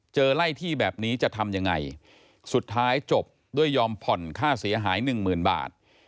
ไล่ที่แบบนี้จะทำยังไงสุดท้ายจบด้วยยอมผ่อนค่าเสียหายหนึ่งหมื่นบาท